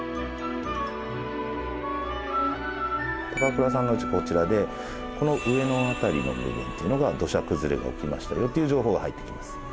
倉さんのうちこちらでこの上の辺りの部分っていうのが土砂崩れが起きましたよっていう情報が入ってきます。